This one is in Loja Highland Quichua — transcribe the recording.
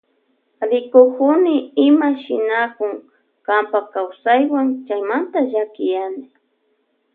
Rikukuni imata shinakunk kanpa kawsaywan chaymanta llakiyani.